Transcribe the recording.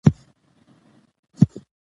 زولتان ناداسدي د وخت په پوهه څېړنه کوي.